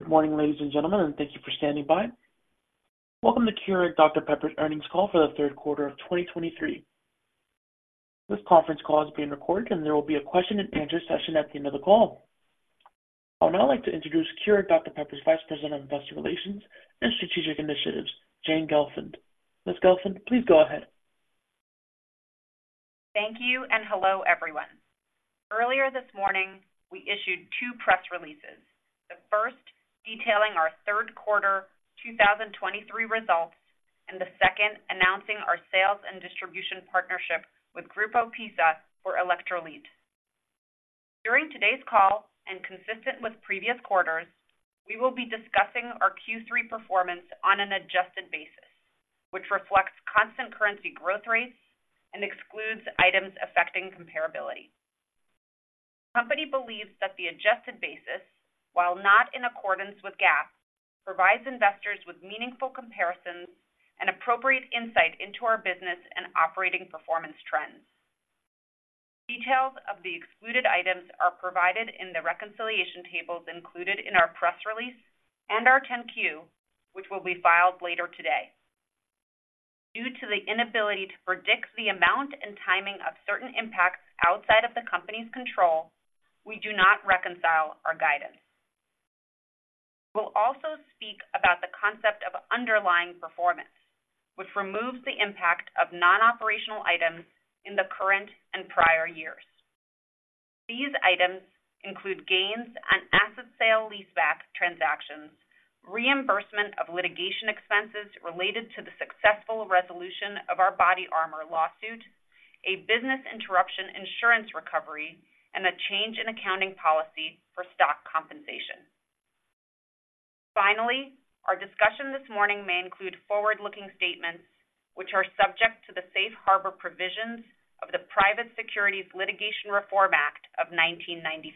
Good morning, ladies and gentlemen, and thank you for standing by. Welcome to Keurig Dr Pepper Earnings Call for the Third Quarter of 2023. This conference call is being recorded, and there will be a question-and-answer session at the end of the call. I would now like to introduce Keurig Dr Pepper's Vice President of Investor Relations and Strategic Initiatives, Jane Gelfand. Ms. Gelfand, please go ahead. Thank you and hello, everyone. Earlier this morning, we issued two press releases. The first, detailing our third quarter 2023 results, and the second, announcing our sales and distribution partnership with Grupo PiSA for Electrolit. During today's call, and consistent with previous quarters, we will be discussing our Q3 performance on an adjusted basis, which reflects constant currency growth rates and excludes items affecting comparability. The company believes that the adjusted basis, while not in accordance with GAAP, provides investors with meaningful comparisons and appropriate insight into our business and operating performance trends. Details of the excluded items are provided in the reconciliation tables included in our press release and our 10-Q, which will be filed later today. Due to the inability to predict the amount and timing of certain impacts outside of the company's control, we do not reconcile our guidance. We'll also speak about the concept of underlying performance, which removes the impact of non-operational items in the current and prior years. These items include gains on asset sale, leaseback transactions, reimbursement of litigation expenses related to the successful resolution of our BodyArmor lawsuit, a business interruption insurance recovery, and a change in accounting policy for stock compensation. Finally, our discussion this morning may include forward-looking statements, which are subject to the Safe Harbor provisions of the Private Securities Litigation Reform Act of 1995.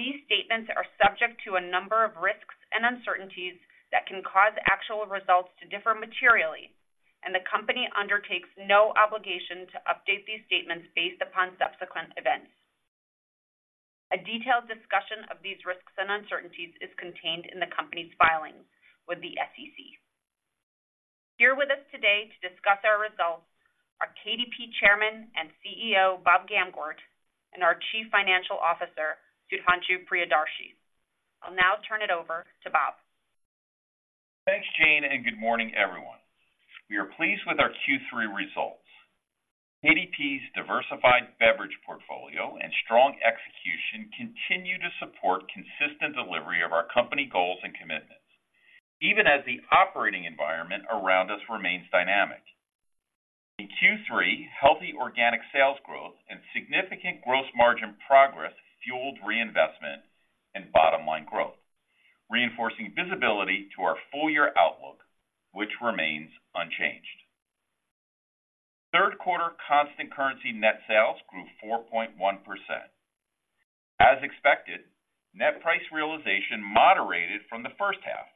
These statements are subject to a number of risks and uncertainties that can cause actual results to differ materially, and the Company undertakes no obligation to update these statements based upon subsequent events. A detailed discussion of these risks and uncertainties is contained in the Company's filings with the SEC. Here with us today to discuss our results are KDP Chairman and CEO, Bob Gamgort, and our Chief Financial Officer, Sudhanshu Priyadarshi. I'll now turn it over to Bob. Thanks, Jane, and good morning, everyone. We are pleased with our Q3 results. KDP's diversified beverage portfolio and strong execution continue to support consistent delivery of our company goals and commitments, even as the operating environment around us remains dynamic. In Q3, healthy organic sales growth and significant gross margin progress fueled reinvestment and bottom-line growth, reinforcing visibility to our full-year outlook, which remains unchanged. Third quarter constant currency net sales grew 4.1%. As expected, net price realization moderated from the first half,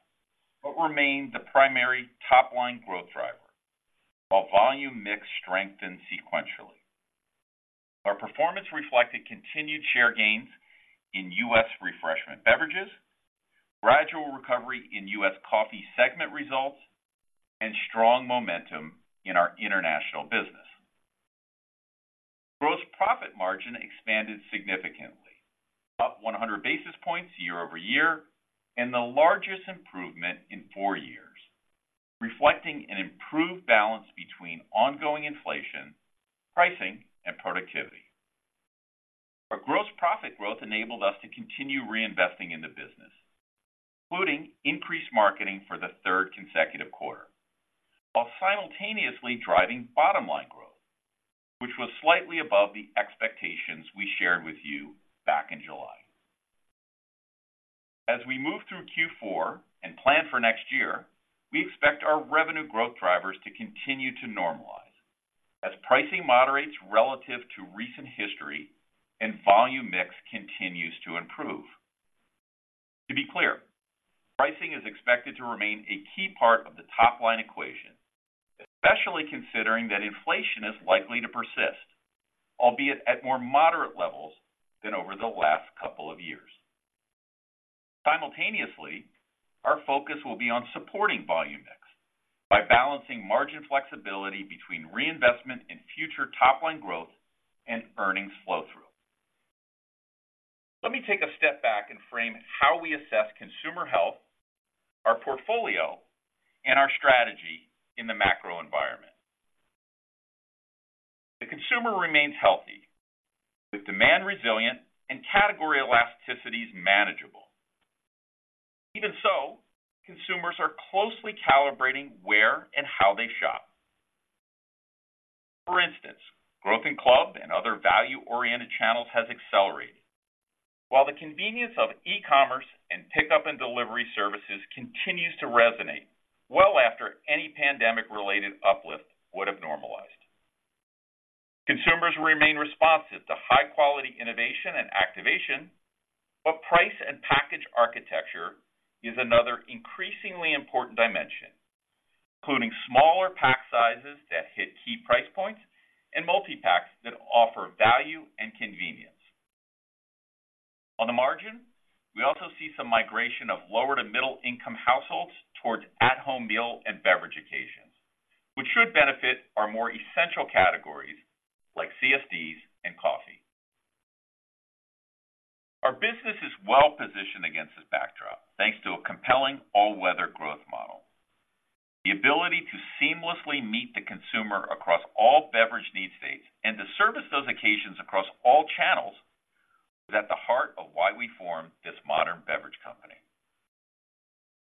but remained the primary top-line growth driver, while volume mix strengthened sequentially. Our performance reflected continued share gains in U.S. refreshment beverages, gradual recovery in U.S. coffee segment results, and strong momentum in our international business. Gross profit margin expanded significantly, up 100 basis points year-over-year and the largest improvement in 4 years, reflecting an improved balance between ongoing inflation, pricing, and productivity. Our gross profit growth enabled us to continue reinvesting in the business, including increased marketing for the third consecutive quarter, while simultaneously driving bottom line growth, which was slightly above the expectations we shared with you back in July. As we move through Q4 and plan for next year, we expect our revenue growth drivers to continue to normalize as pricing moderates relative to recent history and volume mix continues to improve. To be clear, pricing is expected to remain a key part of the top-line equation, especially considering that inflation is likely to persist, albeit at more moderate levels than over the last couple of years. Simultaneously, our focus will be on supporting volume mix by balancing margin flexibility between reinvestment in future top line growth and earnings flow-through. Let me take a step back and frame how we assess consumer health, our portfolio, and our strategy in the macro environment. The consumer remains healthy, with demand resilient and category elasticities manageable. Even so, consumers are closely calibrating where and how they shop. For instance, growth in club and other value-oriented channels has accelerated, while the convenience of e-commerce and pickup and delivery services continues to resonate well after any pandemic-related uplift would have normalized. Consumers remain responsive to high-quality innovation and activation, but price and package architecture is another increasingly important dimension, including smaller pack sizes that hit key price points and multi-packs that offer value and convenience. On the margin, we also see some migration of lower to middle-income households towards at-home meal and beverage occasions, which should benefit our more essential categories like CSDs and coffee. Our business is well-positioned against this backdrop, thanks to a compelling all-weather growth model. The ability to seamlessly meet the consumer across all beverage need states and to service those occasions across all channels was at the heart of why we formed this modern beverage company.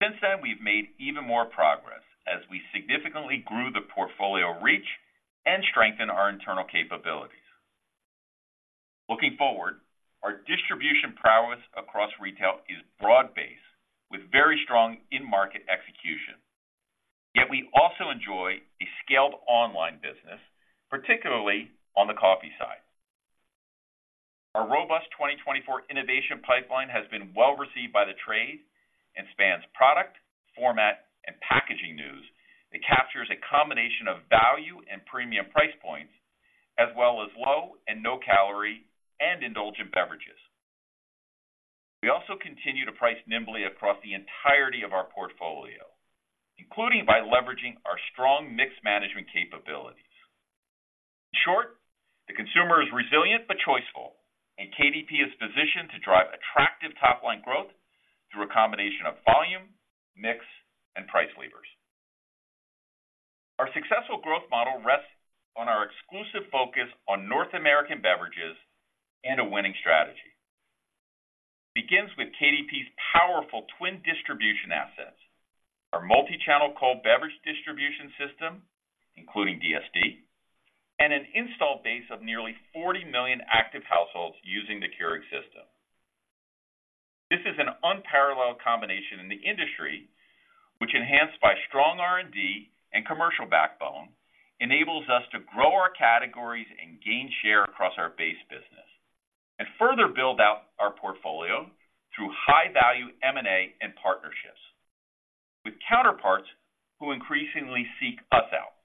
Since then, we've made even more progress as we significantly grew the portfolio reach and strengthened our internal capabilities. Looking forward, our distribution prowess across retail is broad-based, with very strong in-market execution. Yet we also enjoy a scaled online business, particularly on the coffee side. Our robust 2024 innovation pipeline has been well received by the trade and spans product, format, and packaging news. It captures a combination of value and premium price points, as well as low and no-calorie and indulgent beverages. We also continue to price nimbly across the entirety of our portfolio, including by leveraging our strong mix management capabilities. In short, the consumer is resilient but choiceful, and KDP is positioned to drive attractive top-line growth through a combination of volume, mix, and price levers. Our successful growth model rests on our exclusive focus on North American beverages and a winning strategy. It begins with KDP's powerful twin distribution assets, our multi-channel cold beverage distribution system, including DSD, and an installed base of nearly 40 million active households using the Keurig system. This is an unparalleled combination in the industry, which, enhanced by strong R&D and commercial backbone, enables us to grow our categories and gain share across our base business, and further build out our portfolio through high-value M&A and partnerships with counterparts who increasingly seek us out.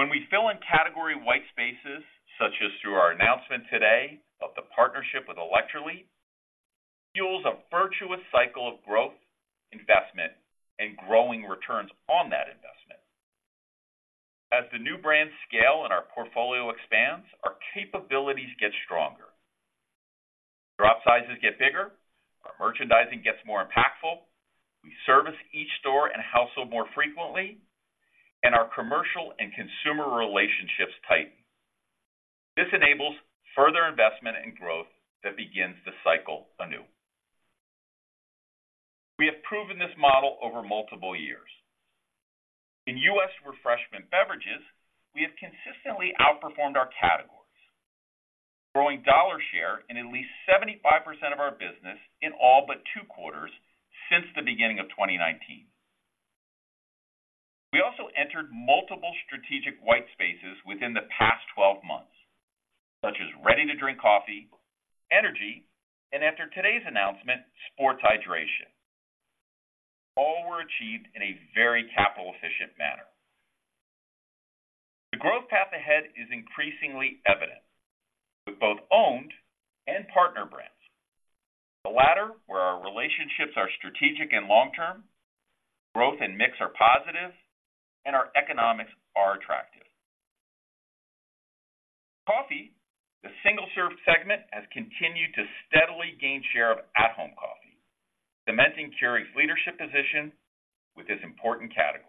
When we fill in category white spaces, such as through our announcement today of the partnership with Electrolit, it fuels a virtuous cycle of growth, investment, and growing returns on that investment. As the new brands scale and our portfolio expands, our capabilities get stronger. Drop sizes get bigger, our merchandising gets more impactful, we service each store and household more frequently, and our commercial and consumer relationships tighten. This enables further investment and growth that begins the cycle anew. We have proven this model over multiple years. In U.S. refreshment beverages, we have consistently outperformed our categories, growing dollar share in at least 75% of our business in all but 2 quarters since the beginning of 2019. We also entered multiple strategic white spaces within the past 12 months, such as ready-to-drink coffee, energy, and after today's announcement, sports hydration. All were achieved in a very capital-efficient manner. The growth path ahead is increasingly evident, with both owned and partner brands. The latter, where our relationships are strategic and long term, growth and mix are positive, and our economics are attractive. Coffee, the single-serve segment, has continued to steadily gain share of at-home coffee, cementing Keurig's leadership position with this important category.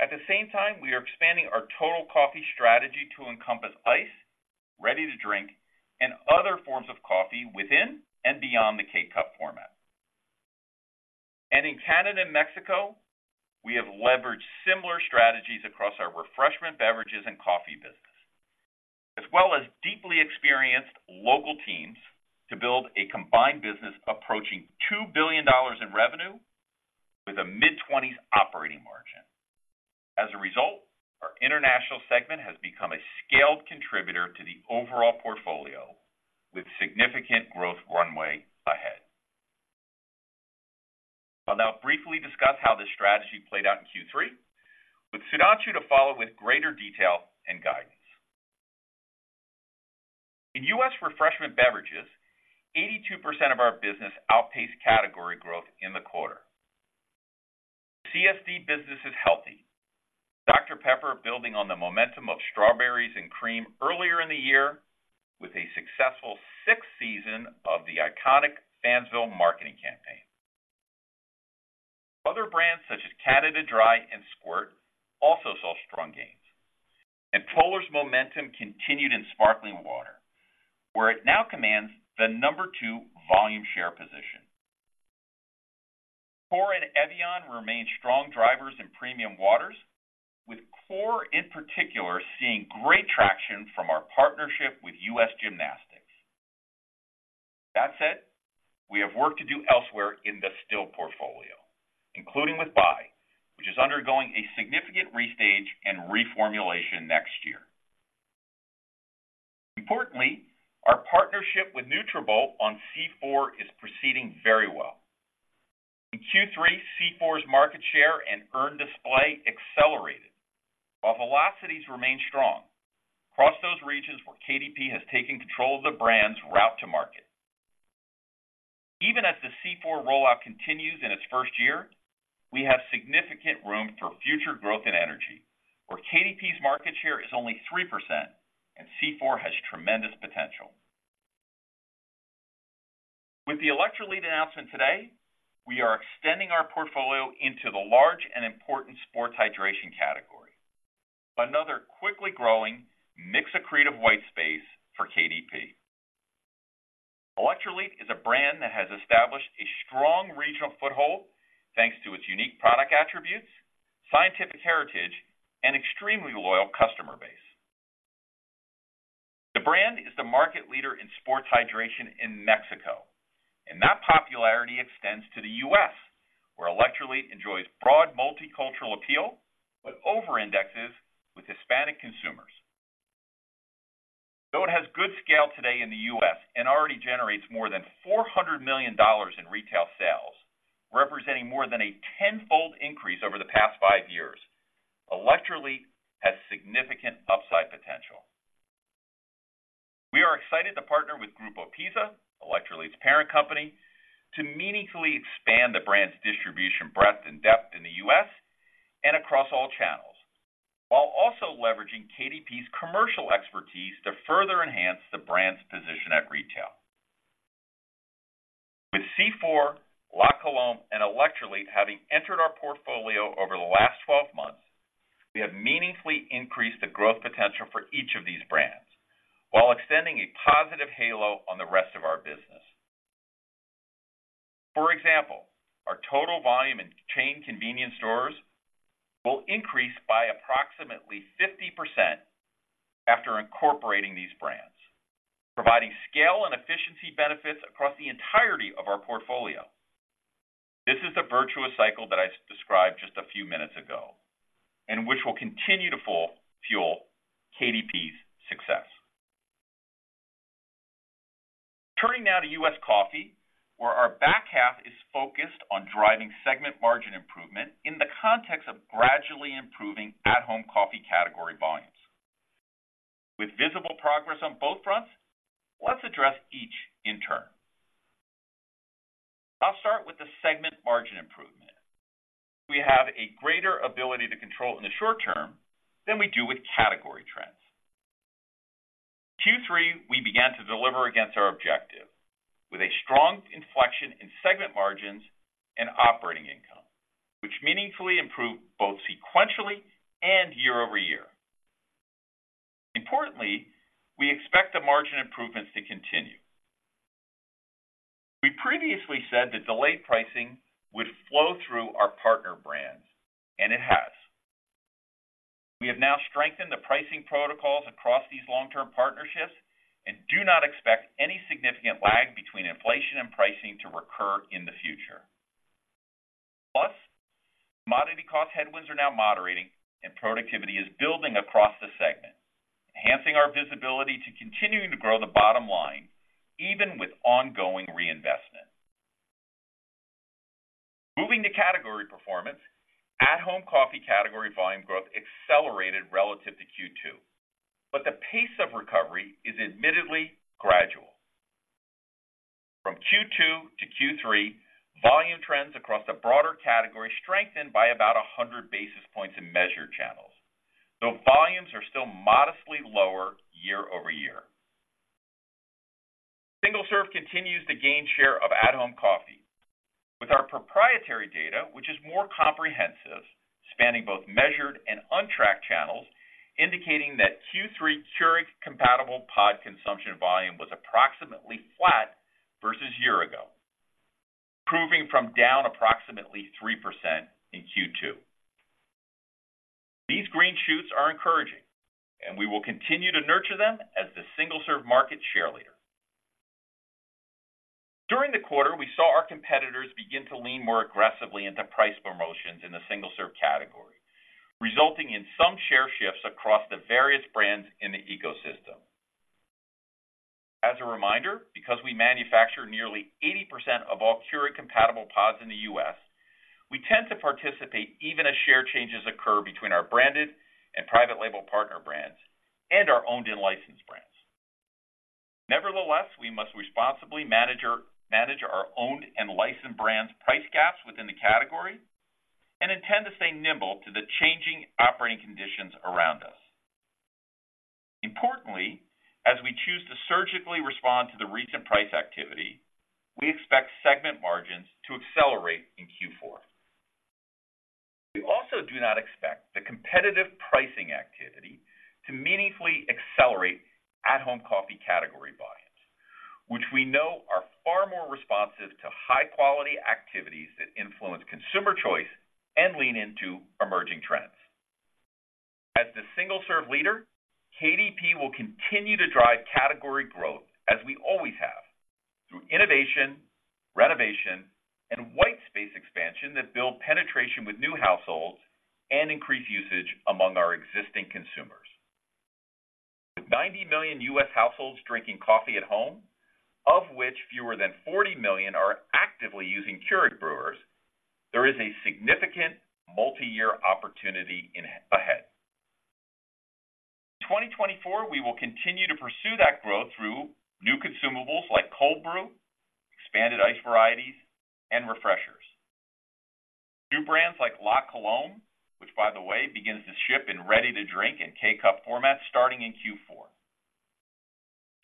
At the same time, we are expanding our total coffee strategy to encompass iced, ready-to-drink, and other forms of coffee within and beyond the K-Cup format. In Canada and Mexico, we have leveraged similar strategies across our refreshment, beverages, and coffee business, as well as deeply experienced local teams to build a combined business approaching $2 billion in revenue with a mid-20s operating margin. As a result, our international segment has become a scaled contributor to the overall portfolio, with significant growth runway ahead. I'll now briefly discuss how this strategy played out in Q3, with Sudhanshu to follow with greater detail and guidance. In U.S. refreshment beverages, 82% of our business outpaced category growth in the quarter. CSD business is healthy. Dr Pepper, building on the momentum of Strawberries and Cream earlier in the year with a successful sixth season of the iconic Fansville marketing campaign. Other brands, such as Canada Dry and Squirt, also saw strong gains, and Polar's momentum continued in sparkling water, where it now commands the number 2 volume share position. Core and Evian remain strong drivers in premium waters, with Core in particular, seeing great traction from our partnership with USA Gymnastics. That said, we have work to do elsewhere in the still portfolio, including with Bai, which is undergoing a significant restage and reformulation next year. Importantly, our partnership with Nutrabolt on C4 is proceeding very well. In Q3, C4's market share and earned display accelerated, while velocities remained strong across those regions where KDP has taken control of the brand's route to market. Even as the C4 rollout continues in its first year, we have significant room for future growth in energy, where KDP's market share is only 3% and C4 has tremendous potential. With the Electrolit announcement today, we are extending our portfolio into the large and important sports hydration category, another quickly growing, mix accretive white space for KDP. Electrolit is a brand that has established a strong regional foothold, thanks to its unique product attributes, scientific heritage, and extremely loyal customer base. The brand is the market leader in sports hydration in Mexico, and that popularity extends to the U.S., where Electrolit enjoys broad multicultural appeal, but overindexes with Hispanic consumers. Though it has good scale today in the U.S. and already generates more than $400 million in retail sales, representing more than a tenfold increase over the past 5 years, Electrolit has significant upside potential. We are excited to partner with Grupo PiSA, Electrolit's parent company, to meaningfully expand the brand's distribution breadth and depth in the U.S. and across all channels, while also leveraging KDP's commercial expertise to further enhance the brand's position at retail. With C4, La Colombe, and Electrolit having entered our portfolio over the last 12 months, we have meaningfully increased the growth potential for each of these brands while extending a positive halo on the rest of our business. For example, our total volume in chain convenience stores will increase by approximately 50% after incorporating these brands, providing scale and efficiency benefits across the entirety of our portfolio. This is the virtuous cycle that I described just a few minutes ago, and which will continue to fuel KDP's success. Turning now to U.S. coffee, where our back half is focused on driving segment margin improvement in the context of gradually improving at-home coffee category volumes. With visible progress on both fronts, let's address each in turn. I'll start with the segment margin improvement. We have a greater ability to control in the short term than we do with category trends. Q3, we began to deliver against our objective with a strong inflection in segment margins and operating income, which meaningfully improved both sequentially and year-over-year. Importantly, we expect the margin improvements to continue. We previously said that delayed pricing would flow through our partner brands, and it has. We have now strengthened the pricing protocols across these long-term partnerships and do not expect any significant lag between inflation and pricing to recur in the future. Plus, commodity cost headwinds are now moderating and productivity is building across the segment, enhancing our visibility to continuing to grow the bottom line, even with ongoing reinvestment. Moving to category performance, at-home coffee category volume growth accelerated relative to Q2, but the pace of recovery is admittedly gradual. From Q2 to Q3, volume trends across the broader category strengthened by about 100 basis points in measured channels, though volumes are still modestly lower year-over-year. Single-serve continues to gain share of at-home coffee with our proprietary data, which is more comprehensive, spanning both measured and untracked channels, indicating that Q3 Keurig-compatible pod consumption volume was approximately flat versus year-ago, improving from down approximately 3% in Q2. These green shoots are encouraging, and we will continue to nurture them as the single-serve market share leader. During the quarter, we saw our competitors begin to lean more aggressively into price promotions in the single-serve category, resulting in some share shifts across the various brands in the ecosystem. As a reminder, because we manufacture nearly 80% of all Keurig-compatible pods in the U.S., we tend to participate even as share changes occur between our branded and private label partner brands and our owned and licensed brands. Nevertheless, we must responsibly manage our owned and licensed brands' price gaps within the category and intend to stay nimble to the changing operating conditions around us. Importantly, as we choose to surgically respond to the recent price activity, we expect segment margins to accelerate in Q4. We also do not expect the competitive pricing activity to meaningfully accelerate at-home coffee category volumes, which we know are far more responsive to high-quality activities that influence consumer choice and lean into emerging trends. As the single-serve leader, KDP will continue to drive category growth as we always have—through innovation, renovation, and white space expansion that build penetration with new households and increase usage among our existing consumers. With 90 million U.S. households drinking coffee at home, of which fewer than 40 million are actively using Keurig brewers, there is a significant multi-year opportunity ahead. In 2024, we will continue to pursue that growth through new consumables like cold brew, expanded iced varieties, and refreshers. New brands like La Colombe, which by the way, begins to ship in ready-to-drink in K-Cup formats starting in Q4.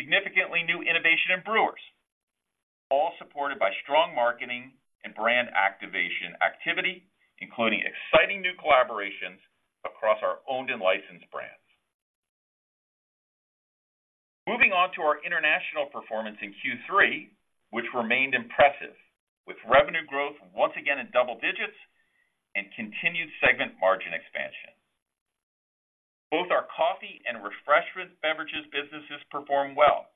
Significantly new innovation in brewers, all supported by strong marketing and brand activation activity, including exciting new collaborations across our owned and licensed brands. Moving on to our international performance in Q3, which remained impressive, with revenue growth once again in double digits and continued segment margin expansion. Both our coffee and refreshment beverages businesses performed well.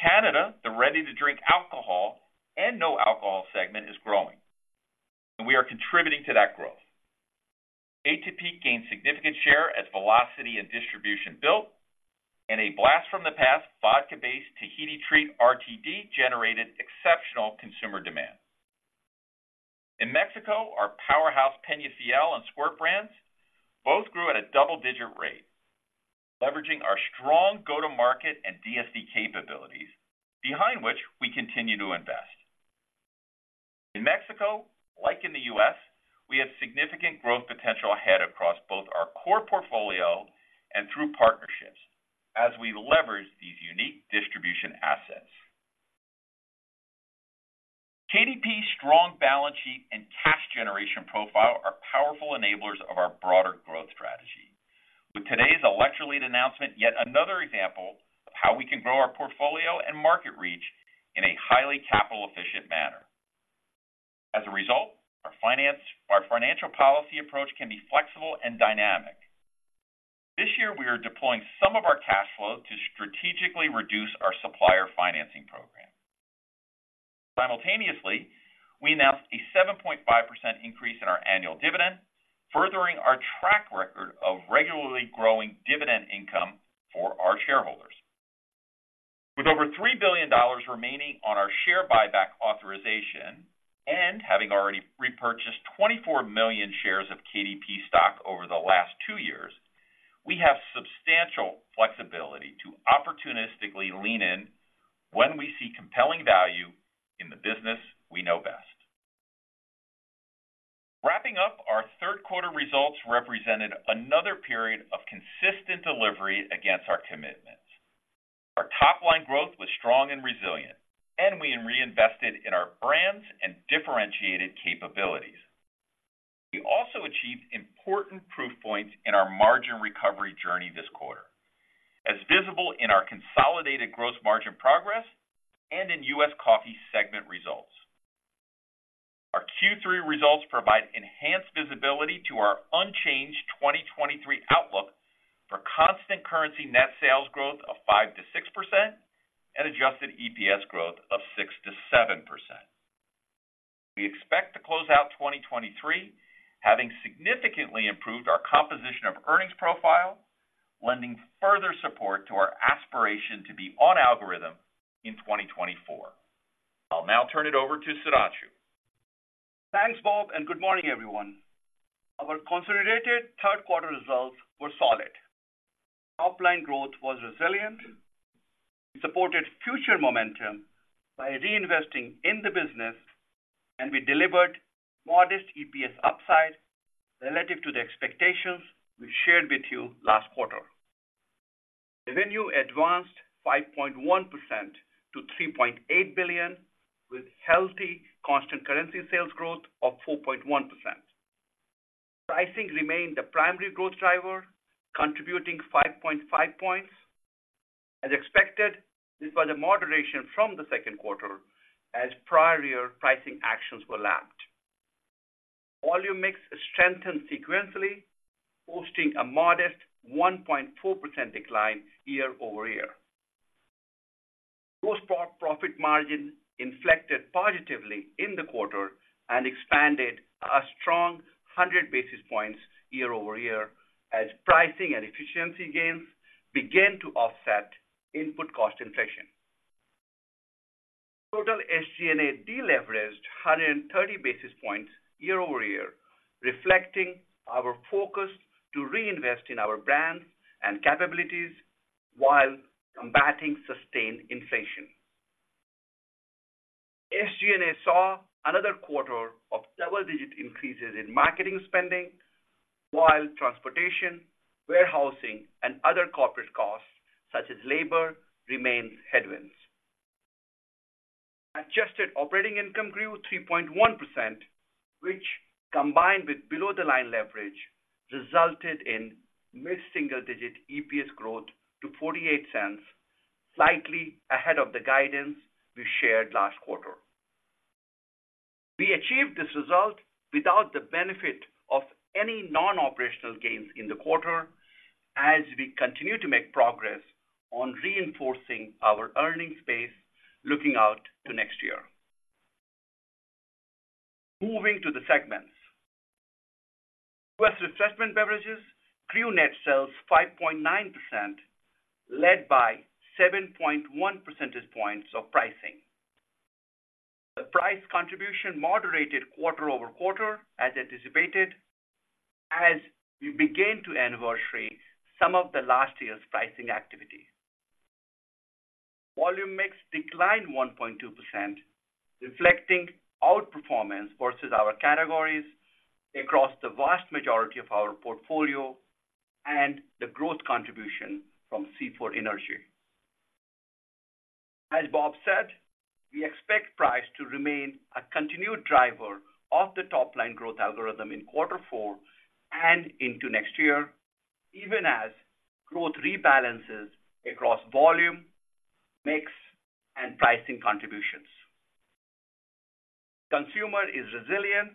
Canada, the ready-to-drink alcohol and no alcohol segment, is growing, and we are contributing to that growth. A-Treat gained significant share as velocity and distribution built, and a blast from the past vodka-based Tahiti Treat RTD generated exceptional consumer demand. In Mexico, our powerhouse Peñafiel and Squirt brands both grew at a double-digit rate, leveraging our strong go-to-market and DSD capabilities, behind which we continue to invest. In Mexico, like in the U.S., we have significant growth potential ahead across both our core portfolio and through partnerships as we leverage these unique distribution assets. KDP's strong balance sheet and cash generation profile are powerful enablers of our broader growth strategy, with today's Electrolit announcement, yet another example of how we can grow our portfolio and market reach in a highly capital-efficient manner. As a result, our financial policy approach can be flexible and dynamic. This year, we are deploying some of our cash flow to strategically reduce our supplier financing program. Simultaneously, we announced a 7.5% increase in our annual dividend, furthering our track record of regularly growing dividend income for our shareholders. With over $3 billion remaining on our share buyback authorization and having already repurchased 24 million shares of KDP stock over the last 2 years, we have substantial flexibility to opportunistically lean in when we see compelling value in the business we know best. Wrapping up our third quarter results represented another period of consistent delivery against our commitments. Our top-line growth was strong and resilient, and we reinvested in our brands and differentiated capabilities. We also achieved important proof points in our margin recovery journey this quarter, as visible in our consolidated gross margin progress and in U.S. coffee segment results. Our Q3 results provide enhanced visibility to our unchanged 2023 outlook for constant currency net sales growth of 5%-6% and adjusted EPS growth of 6%-7%. We expect to close out 2023, having significantly improved our composition of earnings profile, lending further support to our aspiration to be on algorithm in 2024. I'll now turn it over to Sudhanshu. Thanks, Bob, and good morning, everyone. Our consolidated third quarter results were solid. Top-line growth was resilient. We supported future momentum by reinvesting in the business, and we delivered modest EPS upside relative to the expectations we shared with you last quarter. Revenue advanced 5.1% to $3.8 billion, with healthy constant currency sales growth of 4.1%. Pricing remained the primary growth driver, contributing 5.5 points. As expected, this was a moderation from the second quarter as prior year pricing actions were lapped. Volume mix strengthened sequentially, posting a modest 1.4% decline year-over-year. Gross profit margin inflected positively in the quarter and expanded a strong 100 basis points year-over-year, as pricing and efficiency gains began to offset input cost inflation. Total SG&A deleveraged 130 basis points year-over-year, reflecting our focus to reinvest in our brands and capabilities while combating sustained inflation. SG&A saw another quarter of double-digit increases in marketing spending, while transportation, warehousing, and other corporate costs, such as labor, remained headwinds. Adjusted operating income grew 3.1%, which, combined with below-the-line leverage, resulted in mid-single-digit EPS growth to $0.48, slightly ahead of the guidance we shared last quarter. We achieved this result without the benefit of any non-operational gains in the quarter, as we continue to make progress on reinforcing our earnings base, looking out to next year. Moving to the segments. U.S. Refreshment Beverages grew net sales 5.9%, led by 7.1 percentage points of pricing. The price contribution moderated quarter-over-quarter, as anticipated, as we begin to anniversary some of the last year's pricing activity. Volume mix declined 1.2%, reflecting outperformance versus our categories across the vast majority of our portfolio and the growth contribution from C4 Energy. As Bob said, we expect price to remain a continued driver of the top line growth algorithm in quarter four and into next year, even as growth rebalances across volume, mix, and pricing contributions. Consumer is resilient,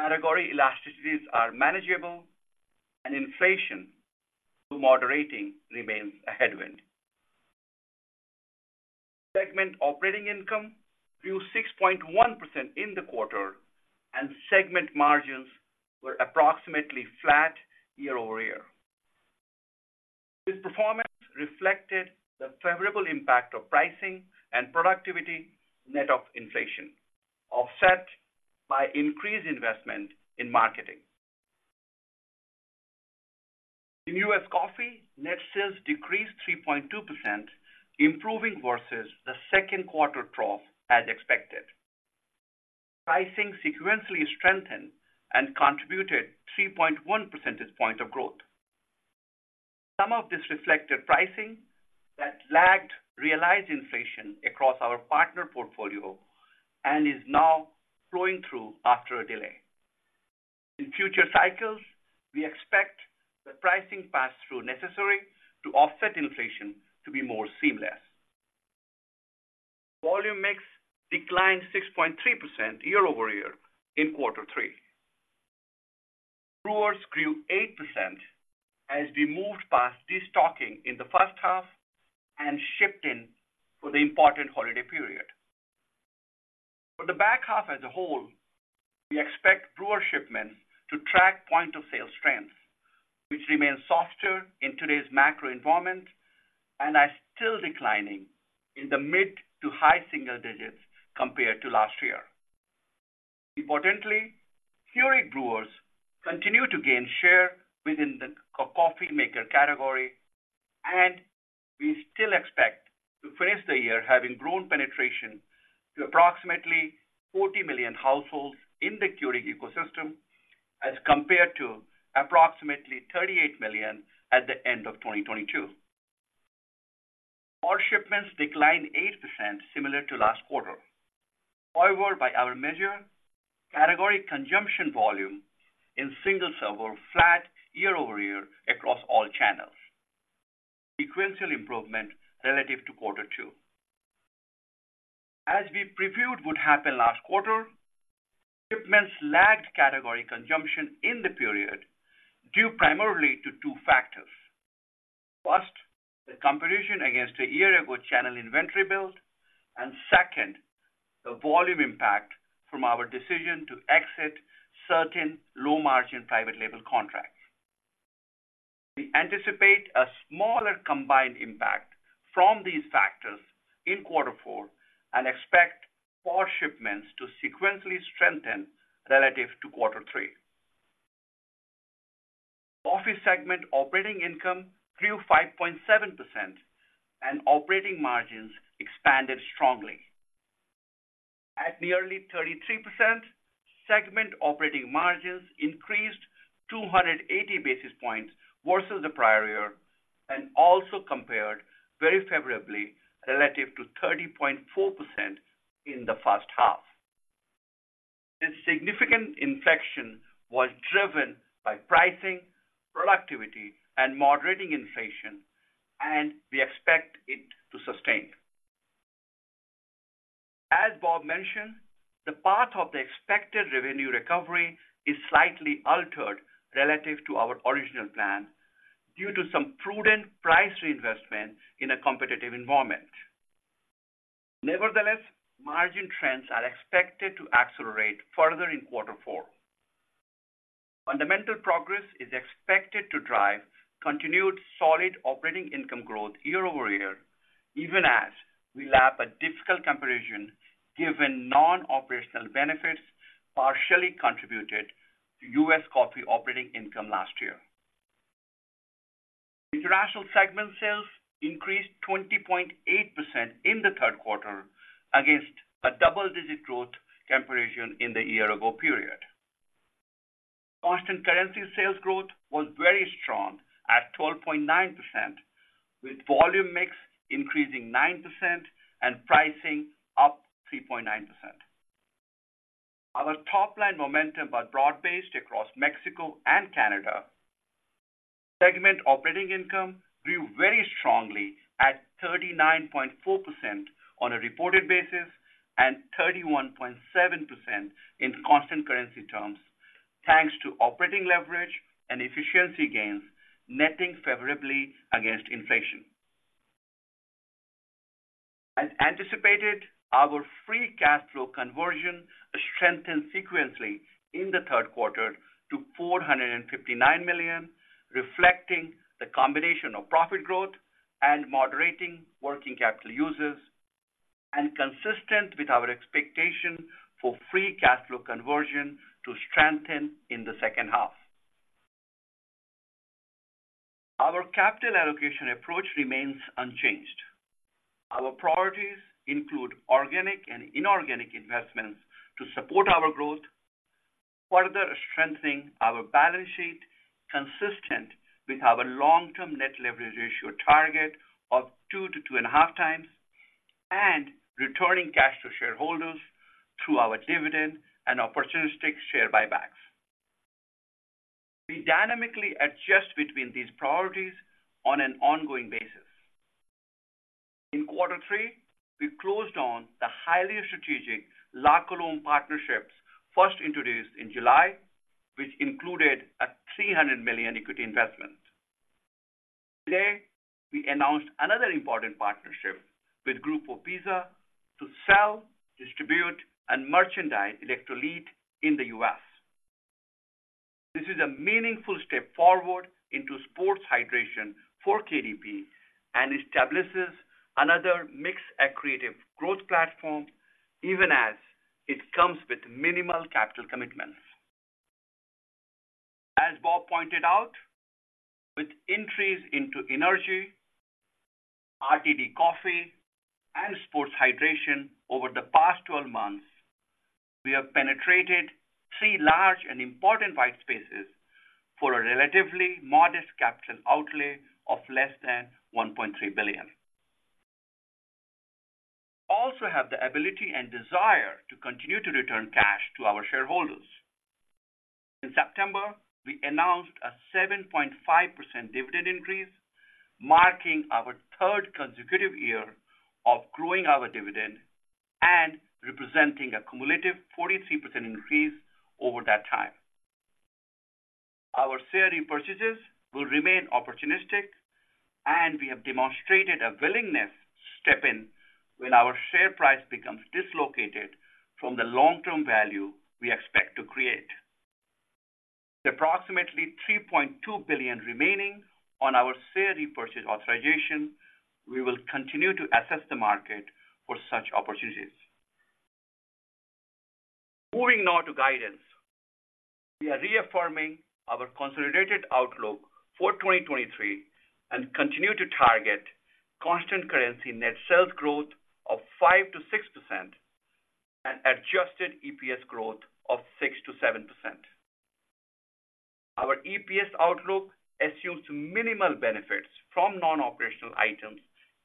category elasticities are manageable, and inflation, through moderating, remains a headwind. Segment operating income grew 6.1% in the quarter, and segment margins were approximately flat year-over-year. This performance reflected the favorable impact of pricing and productivity net of inflation, offset by increased investment in marketing. In U.S. coffee, net sales decreased 3.2%, improving versus the second quarter trough, as expected. Pricing sequentially strengthened and contributed 3.1 percentage point of growth. Some of this reflected pricing that lagged realized inflation across our partner portfolio and is now flowing through after a delay. In future cycles, we expect the pricing pass-through necessary to offset inflation to be more seamless. Volume mix declined 6.3% year-over-year in quarter three. Brewers grew 8% as we moved past destocking in the first half and shipped in for the important holiday period. For the back half as a whole, we expect brewer shipments to track point-of-sale strength, which remains softer in today's macro environment and are still declining in the mid- to high-single digits compared to last year. Importantly, Keurig brewers continue to gain share within the at-home coffee maker category, and we still expect to finish the year having grown penetration to approximately 40 million households in the Keurig ecosystem, as compared to approximately 38 million at the end of 2022. Our shipments declined 8%, similar to last quarter. However, by our measure, category consumption volume in single-serve were flat year-over-year across all channels, sequential improvement relative to quarter two. As we previewed would happen last quarter, shipments lagged category consumption in the period, due primarily to two factors. First, the competition against a year-ago channel inventory build, and second, the volume impact from our decision to exit certain low-margin private label contracts. We anticipate a smaller combined impact from these factors in quarter four and expect core shipments to sequentially strengthen relative to quarter three. Coffee segment operating income grew 5.7%, and operating margins expanded strongly. At nearly 33%, segment operating margins increased 280 basis points versus the prior year, and also compared very favorably relative to 30.4% in the first half. This significant inflection was driven by pricing, productivity, and moderating inflation, and we expect it to sustain. As Bob mentioned, the path of the expected revenue recovery is slightly altered relative to our original plan due to some prudent price reinvestment in a competitive environment. Nevertheless, margin trends are expected to accelerate further in quarter four. Fundamental progress is expected to drive continued solid operating income growth year-over-year, even as we lap a difficult comparison, given non-operational benefits partially contributed to U.S. coffee operating income last year. International segment sales increased 20.8% in the third quarter against a double-digit growth comparison in the year-ago period. Constant currency sales growth was very strong at 12.9%, with volume mix increasing 9% and pricing up 3.9%. Our top-line momentum was broad-based across Mexico and Canada. Segment operating income grew very strongly at 39.4% on a reported basis and 31.7% in constant currency terms, thanks to operating leverage and efficiency gains, netting favorably against inflation. As anticipated, our free cash flow conversion strengthened sequentially in the third quarter to $459 million, reflecting the combination of profit growth and moderating working capital uses, and consistent with our expectation for free cash flow conversion to strengthen in the second half. Our capital allocation approach remains unchanged. Our priorities include organic and inorganic investments to support our growth, further strengthening our balance sheet, consistent with our long-term net leverage ratio target of 2x to 2.5x, and returning cash to shareholders through our dividend and opportunistic share buybacks. We dynamically adjust between these priorities on an ongoing basis. In quarter three, we closed on the highly strategic La Colombe partnerships first introduced in July, which included a $300 million equity investment. Today, we announced another important partnership with Grupo PiSA to sell, distribute, and merchandise Electrolit in the U.S. This is a meaningful step forward into sports hydration for KDP and establishes another mix accretive growth platform, even as it comes with minimal capital commitments. As Bob pointed out, with entries into energy, RTD coffee, and sports hydration over the past 12 months, we have penetrated three large and important white spaces for a relatively modest capital outlay of less than $1.3 billion. We also have the ability and desire to continue to return cash to our shareholders. In September, we announced a 7.5% dividend increase, marking our third consecutive year of growing our dividend and representing a cumulative 43% increase over that time. Our share repurchases will remain opportunistic, and we have demonstrated a willingness to step in when our share price becomes dislocated from the long-term value we expect to create. With approximately $3.2 billion remaining on our share repurchase authorization, we will continue to assess the market for such opportunities. Moving now to guidance. We are reaffirming our consolidated outlook for 2023 and continue to target constant currency net sales growth of 5%-6% and adjusted EPS growth of 6%-7%. Our EPS outlook assumes minimal benefits from non-operational items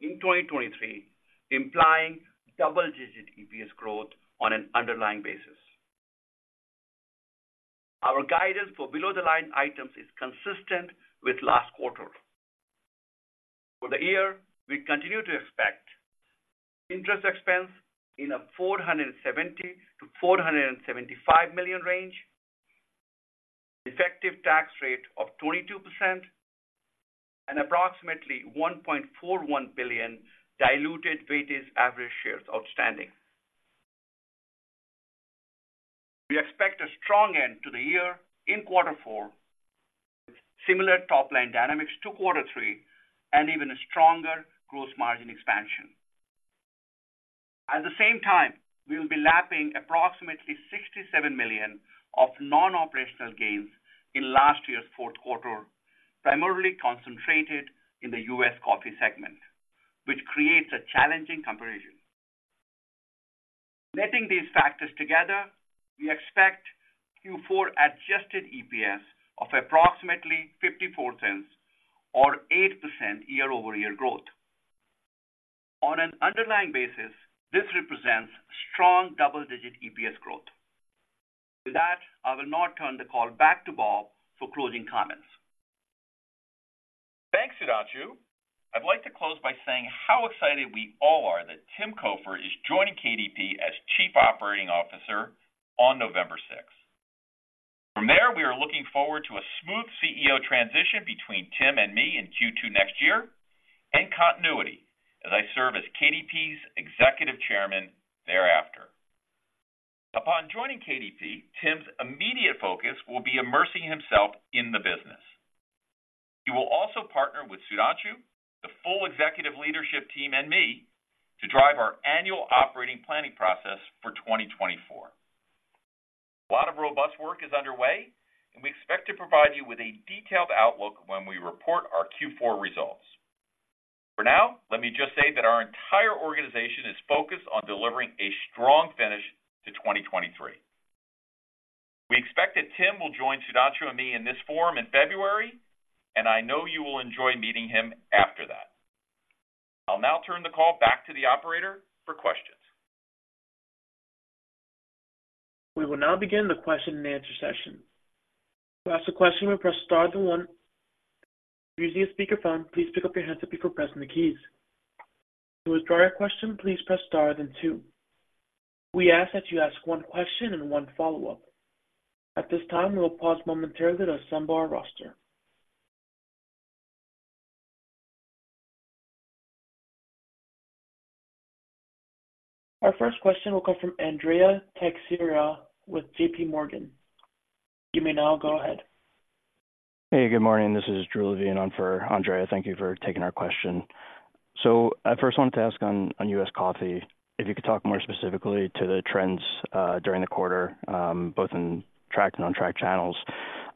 in 2023, implying double-digit EPS growth on an underlying basis. Our guidance for below-the-line items is consistent with last quarter. For the year, we continue to expect interest expense in a $470 million-$475 million range, effective tax rate of 22%, and approximately 1.41 billion diluted weighted-average shares outstanding. We expect a strong end to the year in quarter four, similar top-line dynamics to quarter three, and even a stronger gross margin expansion. At the same time, we will be lapping approximately $67 million of non-operational gains in last year's fourth quarter, primarily concentrated in the U.S. coffee segment, which creates a challenging comparison. Netting these factors together, we expect Q4 adjusted EPS of approximately $0.54 or 8% year-over-year growth. On an underlying basis, this represents strong double-digit EPS growth. With that, I will now turn the call back to Bob for closing comments. Thanks, Sudhu. I'd like to close by saying how excited we all are that Tim Cofer is joining KDP as Chief Operating Officer on November sixth. From there, we are looking forward to a smooth CEO transition between Tim and me in Q2 next year, and continuity as I serve as KDP's Executive Chairman thereafter. Upon joining KDP, Tim's immediate focus will be immersing himself in the business. He will also partner with Sudhu, the full executive leadership team and me, to drive our annual operating planning process for 2024. A lot of robust work is underway, and we expect to provide you with a detailed outlook when we report our Q4 results. For now, let me just say that our entire organization is focused on delivering a strong finish to 2023. We expect that Tim will join Sudhu and me in this forum in February, and I know you will enjoy meeting him after that. I'll now turn the call back to the operator for the questions. We will now begin the question and answer session. To ask a question, press star then one. If you're using a speakerphone, please pick up your handset before pressing the keys. To withdraw your question, please press star then two. We ask that you ask one question and one follow-up. At this time, we will pause momentarily to assemble our roster. Our first question will come from Andrea Teixeira with J.P. Morgan. You may now go ahead. Hey, good morning. This is Drew Levine on for Andrea. Thank you for taking our question. So I first wanted to ask on U.S. coffee, if you could talk more specifically to the trends during the quarter, both in tracked and untracked channels,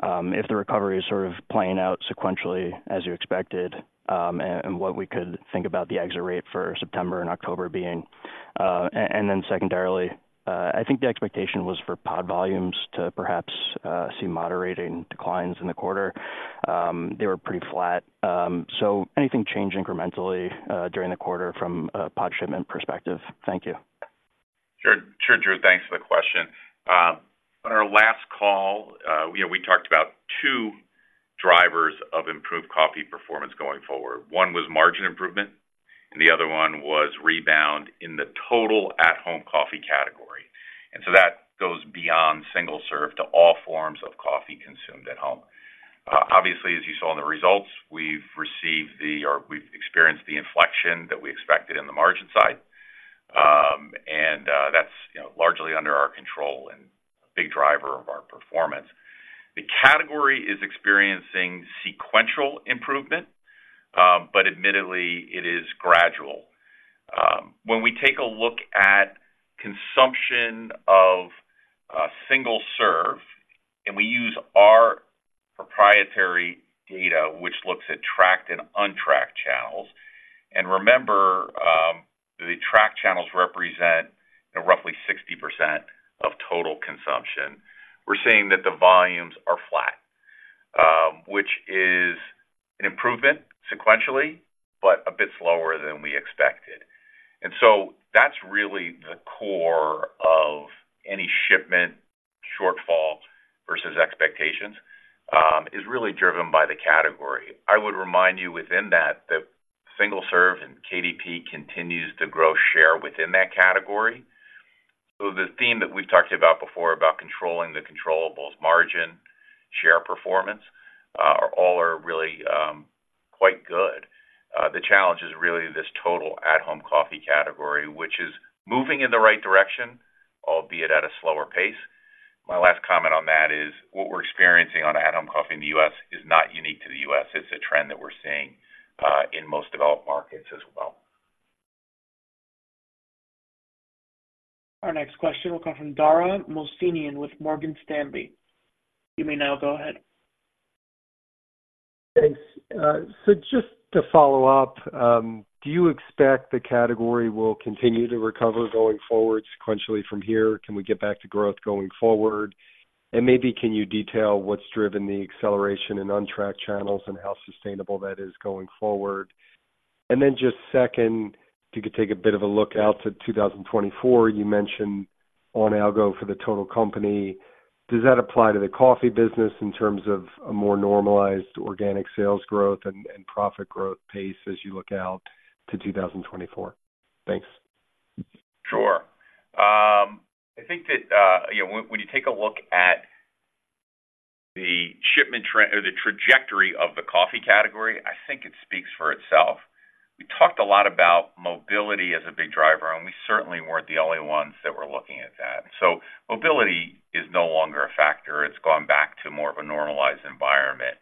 if the recovery is sort of playing out sequentially as you expected, and what we could think about the exit rate for September and October being. And then secondarily, I think the expectation was for pod volumes to perhaps see moderating declines in the quarter. They were pretty flat. So anything change incrementally during the quarter from a pod shipment perspective? Thank you. Sure. Sure, Drew. Thanks for the question. On our last call, you know, we talked about two drivers of improved coffee performance going forward. One was margin improvement, and the other one was rebound in the total at-home coffee category. And so that goes beyond single serve to all forms of coffee consumed at home. Obviously, as you saw in the results, we've received the or we've experienced the inflection that we expected in the margin side. And, that's, you know, largely under our control and a big driver of our performance. The category is experiencing sequential improvement, but admittedly, it is gradual. When we take a look at consumption of single serve, and we use our proprietary data, which looks at tracked and untracked channels, and remember, the track channels represent roughly 60% of total consumption, we're seeing that the volumes are flat, which is an improvement sequentially, but a bit slower than we expected. And so that's really the core of any shipment shortfall versus expectations, is really driven by the category. I would remind you within that, that single serve and KDP continues to grow share within that category. So the theme that we've talked about before, about controlling the controllables, margin, share performance, all are really, quite good. The challenge is really this total at-home coffee category, which is moving in the right direction, albeit at a slower pace. My last comment on that is, what we're experiencing on at-home coffee in the U.S. is not unique to the U.S. It's a trend that we're seeing, in most developed markets as well. Our next question will come from Dara Mohsenian with Morgan Stanley. You may now go ahead. Thanks. So just to follow up, do you expect the category will continue to recover going forward sequentially from here? Can we get back to growth going forward? And maybe can you detail what's driven the acceleration in untracked channels and how sustainable that is going forward? And then just second, if you could take a bit of a look out to 2024, you mentioned low single-digit for the total company, does that apply to the coffee business in terms of a more normalized organic sales growth and profit growth pace as you look out to 2024? Thanks. Sure. I think that, you know, when you take a look at the shipment trend or the trajectory of the coffee category, I think it speaks for itself. We talked a lot about mobility as a big driver, and we certainly weren't the only ones that were looking at that. So mobility is no longer a factor. It's gone back to more of a normalized environment.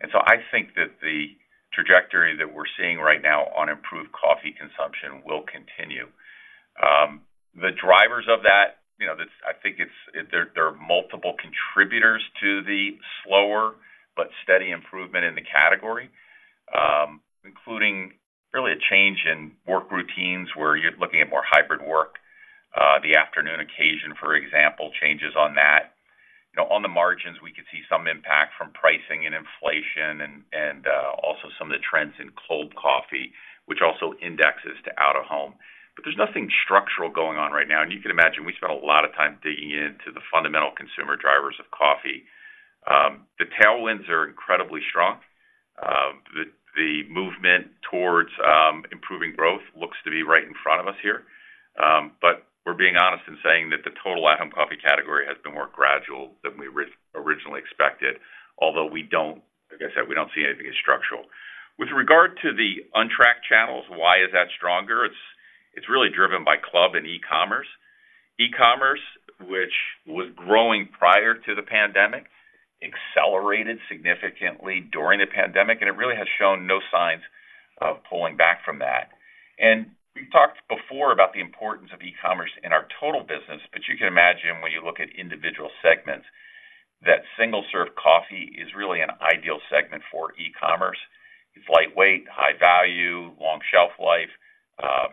And so I think that the trajectory that we're seeing right now on improved coffee consumption will continue. The drivers of that, you know, that's. I think it's, there are multiple contributors to the slower but steady improvement in the category, including really a change in work routines, where you're looking at more hybrid work. The afternoon occasion, for example, changes on that. You know, on the margins, we could see some impact from pricing and inflation and also some of the trends in cold coffee, which also indexes to out of home. But there's nothing structural going on right now. And you can imagine we spent a lot of time digging into the fundamental consumer drivers of coffee. The tailwinds are incredibly strong. The movement towards improving growth looks to be right in front of us here. But we're being honest in saying that the total at-home coffee category has been more gradual than we originally expected, although we don't, like I said, we don't see anything as structural. With regard to the untracked channels, why is that stronger? It's really driven by club and e-commerce. E-commerce, which was growing prior to the pandemic, accelerated significantly during the pandemic, and it really has shown no signs of pulling back from that. We've talked before about the importance of e-commerce in our total business, but you can imagine when you look at individual segments, that single-serve coffee is really an ideal segment for e-commerce. It's lightweight, high value, long shelf life,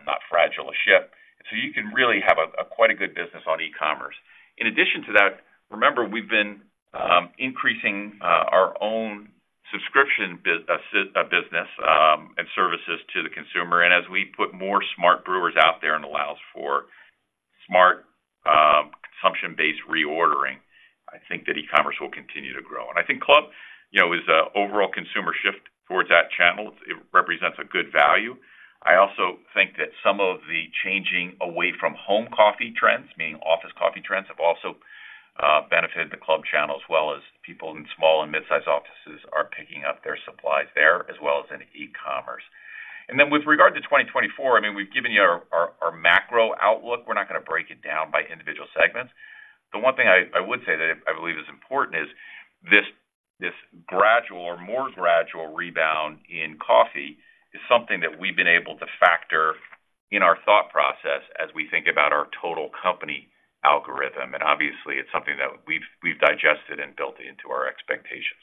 not fragile to ship. So you can really have a quite a good business on e-commerce. In addition to that, remember, we've been increasing our own subscription business consumer, and as we put more smart brewers out there and allows for smart, consumption-based reordering, I think that e-commerce will continue to grow. And I think club, you know, is a overall consumer shift towards that channel. It represents a good value. I also think that some of the changing away-from-home coffee trends, meaning office coffee trends, have also benefited the club channel, as well as people in small and mid-sized offices are picking up their supplies there, as well as in e-commerce. And then with regard to 2024, I mean, we've given you our macro outlook. We're not gonna break it down by individual segments. The one thing I would say that I believe is important is this gradual or more gradual rebound in coffee is something that we've been able to factor in our thought process as we think about our total company algorithm. And obviously, it's something that we've digested and built into our expectations.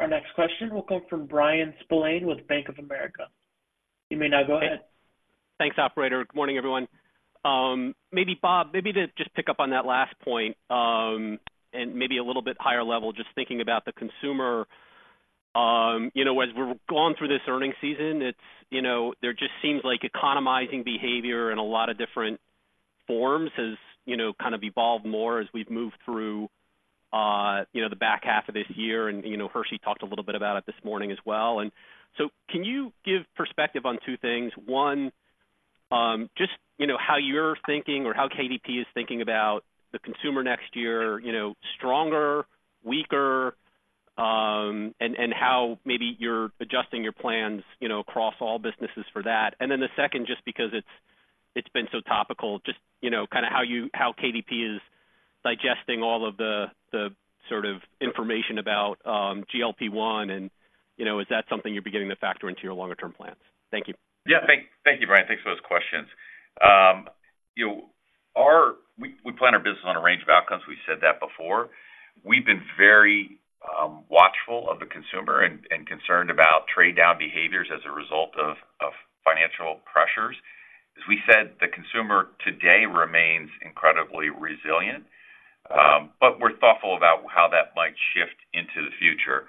Our next question will come from Bryan Spillane with Bank of America. You may now go ahead. Thanks, operator. Good morning, everyone. Maybe Bob, maybe to just pick up on that last point, and maybe a little bit higher level, just thinking about the consumer. You know, as we're going through this earnings season, it's, you know, there just seems like economizing behavior in a lot of different forms has, you know, kind of evolved more as we've moved through the back half of this year. And, you know, Hershey talked a little bit about it this morning as well. And so can you give perspective on two things? One, just, you know, how you're thinking or how KDP is thinking about the consumer next year, you know, stronger, weaker, and, and how maybe you're adjusting your plans, you know, across all businesses for that. And then the second, just because it's, it's been so topical, just, you know, kind of how you, how KDP is digesting all of the, the sort of information about, GLP-1, and, you know, is that something you're beginning to factor into your longer-term plans? Thank you. Yeah. Thank, thank you, Brian. Thanks for those questions. You know, we plan our business on a range of outcomes. We've said that before. We've been very watchful of the consumer and concerned about trade-down behaviors as a result of financial pressures. As we said, the consumer today remains incredibly resilient, but we're thoughtful about how that might shift into the future.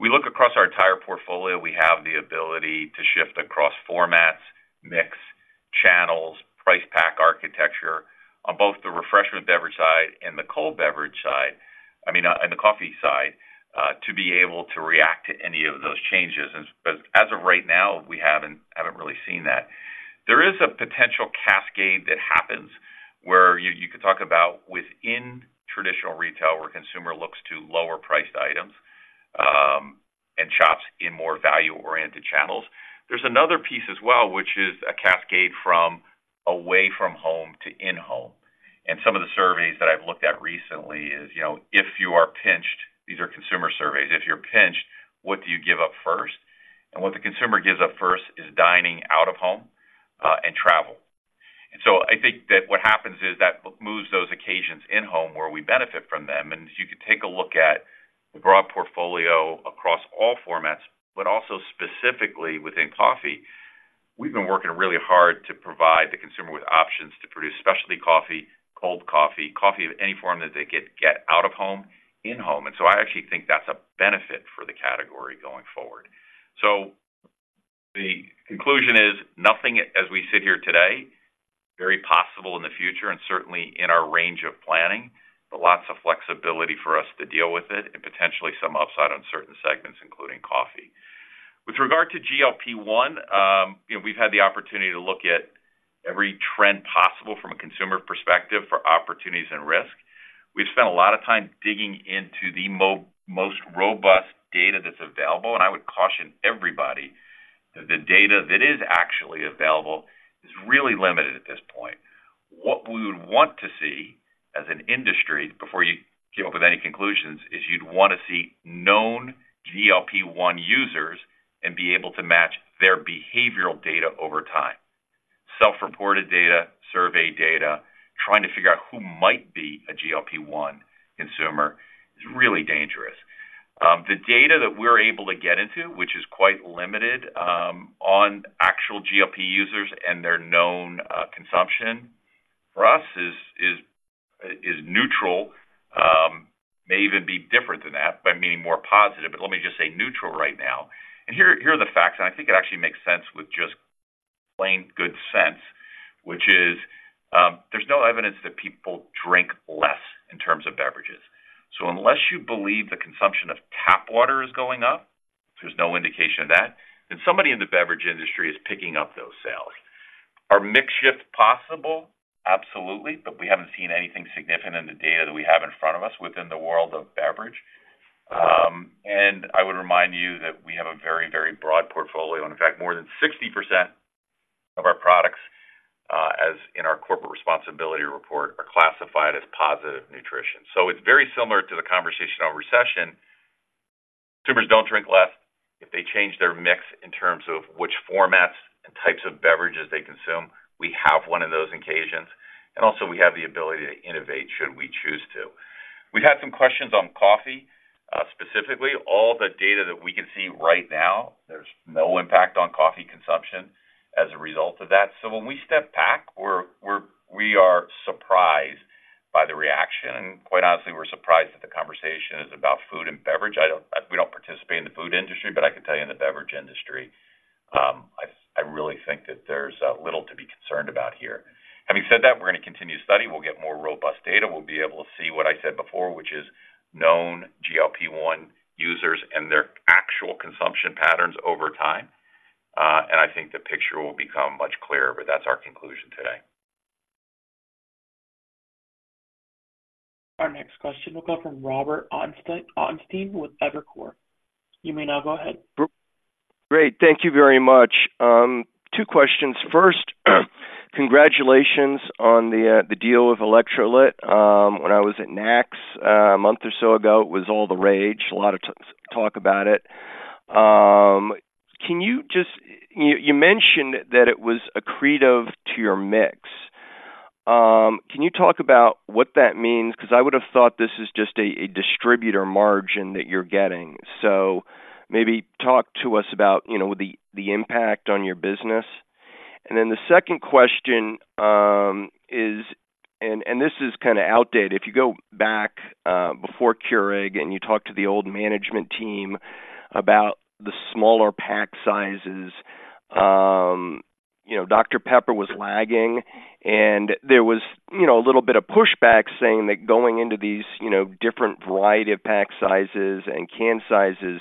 We look across our entire portfolio. We have the ability to shift across formats, mix, channels, price, pack, architecture on both the refreshment beverage side and the cold beverage side, I mean, and the coffee side, to be able to react to any of those changes. As of right now, we haven't really seen that. There is a potential cascade that happens where you could talk about within traditional retail, where consumer looks to lower-priced items, and shops in more value-oriented channels. There's another piece as well, which is a cascade from away from home to in-home. And some of the surveys that I've looked at recently is, you know, if you are pinched, these are consumer surveys. If you're pinched, what do you give up first? And what the consumer gives up first is dining out of home, and travel. And so I think that what happens is, that moves those occasions in-home, where we benefit from them. And you can take a look at the broad portfolio across all formats, but also specifically within coffee. We've been working really hard to provide the consumer with options to produce specialty coffee, cold coffee, coffee of any form that they could get out of home, in-home. And so I actually think that's a benefit for the category going forward. So the conclusion is nothing as we sit here today, very possible in the future and certainly in our range of planning, but lots of flexibility for us to deal with it and potentially some upside on certain segments, including coffee. With regard to GLP-1, you know, we've had the opportunity to look at every trend possible from a consumer perspective for opportunities and risk. We've spent a lot of time digging into the most robust data that's available, and I would caution everybody that the data that is actually available is really limited at this point. What we would want to see as an industry, before you come up with any conclusions, is you'd want to see known GLP-1 users and be able to match their behavioral data over time. Self-reported data, survey data, trying to figure out who might be a GLP-1 consumer is really dangerous. The data that we're able to get into, which is quite limited, on actual GLP users and their known consumption, for us, is neutral, may even be different than that, by meaning more positive, but let me just say neutral right now. Here are the facts, and I think it actually makes sense with just plain good sense, which is, there's no evidence that people drink less in terms of beverages. So unless you believe the consumption of tap water is going up, there's no indication of that, then somebody in the beverage industry is picking up those sales. Are mix shift possible? Absolutely. But we haven't seen anything significant in the data that we have in front of us within the world of beverage. And I would remind you that we have a very, very broad portfolio. In fact, more than 60% of our products, as in our corporate responsibility report, are classified as positive nutrition. So it's very similar to the conversation on recession. Consumers don't drink less. If they change their mix in terms of which formats and types of beverages they consume, we have one of those occasions, and also we have the ability to innovate, should we choose to. We've had some questions on coffee. Specifically, all the data that we can see right now, there's no impact on coffee as a result of that. So when we step back, we are surprised by the reaction, and quite honestly, we're surprised that the conversation is about food and beverage. We don't participate in the food industry, but I can tell you in the beverage industry, I really think that there's little to be concerned about here. Having said that, we're gonna continue to study. We'll get more robust data. We'll be able to see what I said before, which is known GLP-1 users and their actual consumption patterns over time. And I think the picture will become much clearer, but that's our conclusion today. Our next question will come from Robert Ottenstein with Evercore. You may now go ahead. Great. Thank you very much. Two questions. First, congratulations on the deal with Electrolit. When I was at NACS, a month or so ago, it was all the rage. A lot of talk about it. Can you just—you mentioned that it was accretive to your mix. Can you talk about what that means? Because I would have thought this is just a distributor margin that you're getting. So maybe talk to us about, you know, the impact on your business. And then the second question is, and this is kind of outdated. If you go back before Keurig and you talk to the old management team about the smaller pack sizes, you know, Dr. Pepper was lagging, and there was, you know, a little bit of pushback saying that going into these, you know, different variety of pack sizes and can sizes